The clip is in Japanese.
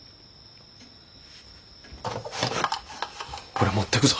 これ持ってくぞ。